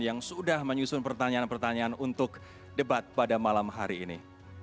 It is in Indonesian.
yang sudah menyusun pertanyaan pertanyaan untuk debat pada malam hari ini